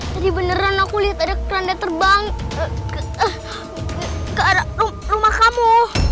tadi beneran aku lihat ada keranda terbang ke rumah kamu